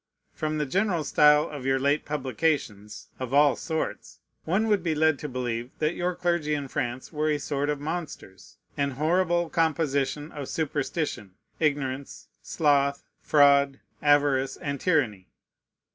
Prom the general style of your late publications of all sorts, one would be led to believe that your clergy in France were a sort of monsters: an horrible composition of superstition, ignorance, sloth, fraud, avarice, and tyranny.